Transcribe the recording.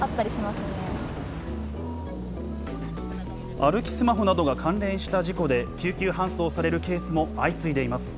歩きスマホなどが関連した事故で、救急搬送されるケースも相次いでいます。